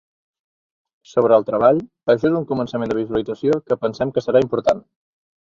Sobre el treball, això és un començament de visualització que pensem que serà important.